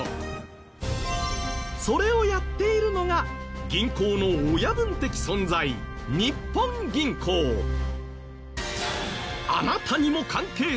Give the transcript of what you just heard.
それをやっているのが銀行の親分的存在あなたにも関係する！